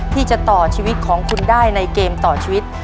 ที่จะต่อชีวิตของคุณได้ในเกมต่อชีวิต